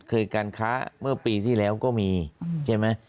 การค้าเมื่อปีที่แล้วก็มีใช่ไหม